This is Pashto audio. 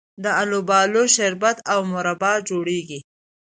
د الوبالو شربت او مربا جوړیږي.